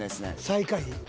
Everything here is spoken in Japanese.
最下位？